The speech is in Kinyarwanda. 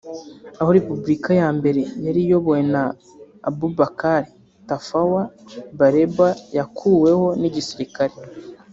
aho repubulika ya mbere yari iyobowe na Abubakar Tafawa Balewa yakuweho n’igisirikare